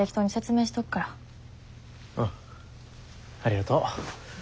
うんありがとう。